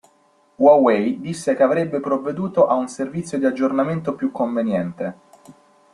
Huawei disse che avrebbe provveduto a un "servizio di aggiornamento più conveniente".